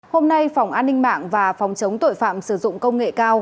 hôm nay phòng an ninh mạng và phòng chống tội phạm sử dụng công nghệ cao